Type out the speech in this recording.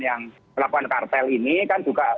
yang melakukan kartel ini kan juga